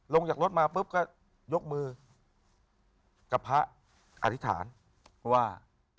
ลงจากรถมาปุ๊บก็ยกมือกับพระอธิษฐานว่า